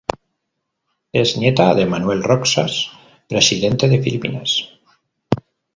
Es nieta de Manuel Roxas, Presidente de Filipinas.